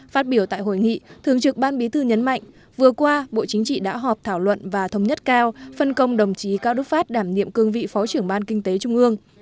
phát biểu tại hội nghị thường trực ban bí thư nhấn mạnh vừa qua bộ chính trị đã họp thảo luận và thống nhất cao phân công đồng chí cao đức pháp đảm nhiệm cương vị phó trưởng ban kinh tế trung ương